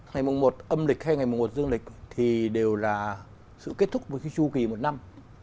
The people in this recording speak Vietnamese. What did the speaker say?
ngày mùng một âm lịch hay ngày mùng một dương lịch thì đều là sự kết thúc với cái chu kỳ một năm